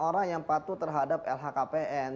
orang yang patuh terhadap lhkpn